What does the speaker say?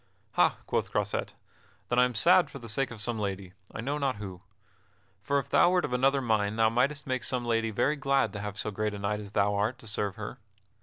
"Ha," quoth Croisette, "then am I sad for the sake of some lady, I know not who. For if thou wert of another mind thou mightest make some lady very glad to have so great a knight as thou art to serve her."